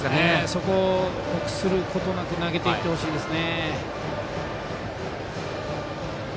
そこを臆することなく投げていってほしいです。